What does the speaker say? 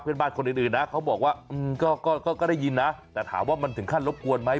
คนอื่นนะเขาบอกว่าก็ได้ยินนะแต่ถามว่ามันถึงขั้นรบกวนไหม